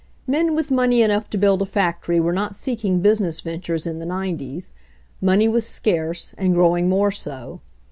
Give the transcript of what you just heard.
Men with money enough to build a factory were not seeking business ventures in the nine ties. Money was scarce, and growing more so.